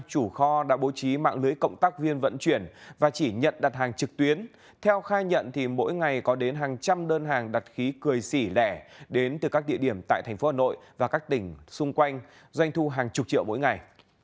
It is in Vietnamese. chủ kho đã bố trí mạng lưới cộng tác viên vận chuyển và chỉ nhận đặt hàng trực tuyến theo khai nhận mỗi ngày có đến hàng trăm đơn hàng đặt khí cười sỉ lẻ đến từ các địa điểm tại thành phố hà nội và các tỉnh xung quanh doanh thu hàng chục triệu mỗi ngày